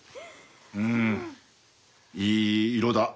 うんいい色だ。